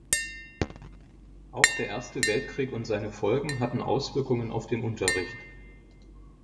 Auch der Erste Weltkrieg und seine Folgen hatten Auswirkungen auf den Unterricht.